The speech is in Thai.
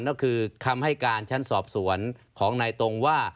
ก็คือคำให้การชั้นสอบสวนของนายตรงว่า